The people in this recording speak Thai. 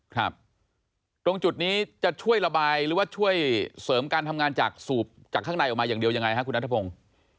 ครับตรงจุดนี้จะช่วยระบายหรือว่าช่วยเสริมการทำงานจากสูบจากข้างในออกมาอย่างเดียวยังไงฮะคุณนัทพงศ์